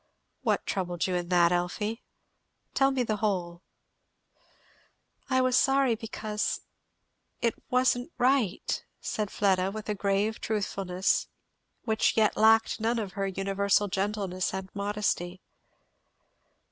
"What troubled you in that, Elfie? tell me the whole." "I was sorry, because, it wasn't right," said Fleda, with a grave truthfulness which yet lacked none of her universal gentleness and modesty.